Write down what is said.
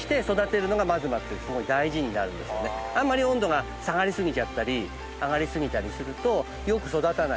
あんまり温度が下がり過ぎちゃったり上がり過ぎたりするとよく育たない。